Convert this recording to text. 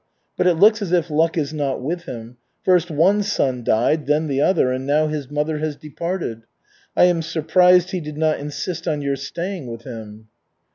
But it looks as if luck is not with him. First one son died, then the other, and now his mother has departed. I am surprised he did not insist on your staying with him."